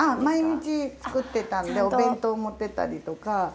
毎日作ってたんでお弁当持ってったりとか。